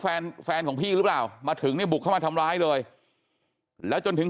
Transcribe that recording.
แฟนแฟนของพี่หรือเปล่ามาถึงเนี่ยบุกเข้ามาทำร้ายเลยแล้วจนถึง